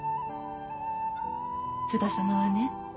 津田様はね